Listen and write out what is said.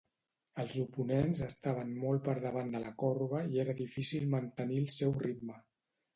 Els oponents estaven molt per davant de la corba i era difícil mantenir el seu ritme.